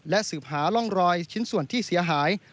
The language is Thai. และสืบหาร่องรอยชิ้นส่วนที่เสียหาย